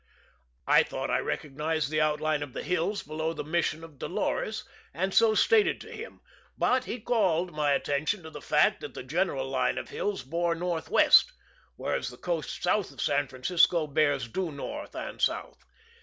I thought I recognized the outline of the hills below the mission of Dolores, and so stated to him; but he called my attention to the fact that the general line of hills bore northwest, whereas the coast south of San Francisco bears due north and south.